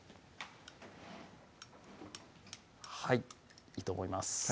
はいいいと思います